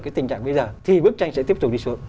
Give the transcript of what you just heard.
cái tình trạng bây giờ thì bức tranh sẽ tiếp tục đi xuống